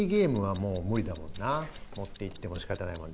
持っていってもしかたないもん。